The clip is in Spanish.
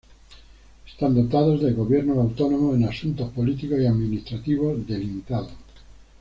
Están dotados de gobiernos autónomos en asuntos políticos y administrativos delimitados.